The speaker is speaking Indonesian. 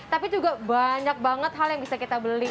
tapi juga banyak banget hal yang bisa kita beli